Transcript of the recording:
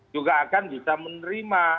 juga akan bisa menerima